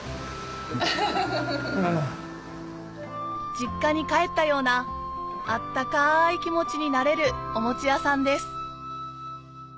実家に帰ったような温かい気持ちになれるお餅屋さんです